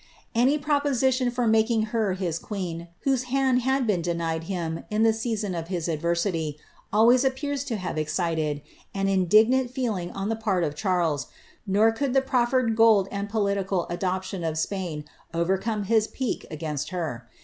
* Any proposition for making her his queen, whose hand had been denied him in the season of his adversity, always appears to have excited an indignant feeling on the part of Charles; nor could the proffered gold and political adoption of Spain overcome his pique against her.